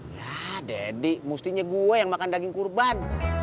ya dedek mestinya gue yang makan daging kurban